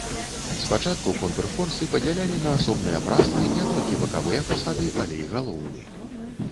Спачатку контрфорсы падзялялі на асобныя праслы не толькі бакавыя фасады, але і галоўны.